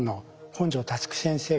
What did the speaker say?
本庶先生